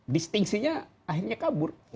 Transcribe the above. distingsinya akhirnya kabur